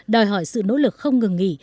đòi hỏi sự nỗ lực không ngừng nghỉ